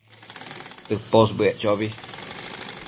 tëposbëec chobi